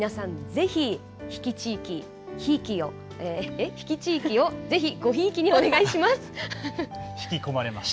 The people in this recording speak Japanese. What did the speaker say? ぜひ、比企地域をぜひごひいきにお願いします。